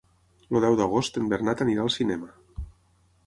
El deu d'agost en Bernat anirà al cinema.